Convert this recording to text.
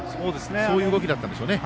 そういう動きだったんでしょうね。